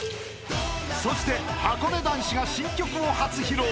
［そしてはこね男子が新曲を初披露］